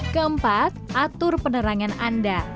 keempat atur penerangan anda